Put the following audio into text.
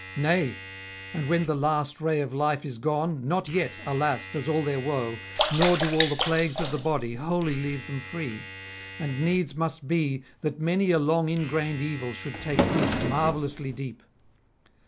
Nay, and when the last ray of life is gone, not yet, alas! does all their woe, nor do all the plagues of the body wholly leave them free; and needs must be that many a long ingrained evil should take root marvellously deep.